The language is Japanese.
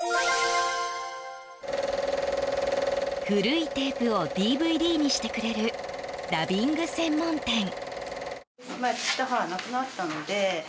古いテープをＤＶＤにしてくれるダビング専門店。